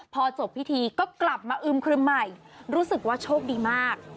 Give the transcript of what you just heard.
พอจบพิธีก็กลับมาอึมครึมใหม่รู้สึกว่าโชคดีมาก